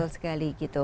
betul sekali gitu